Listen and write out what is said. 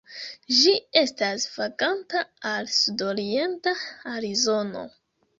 Ĝi estas vaganta al sudorienta Arizono.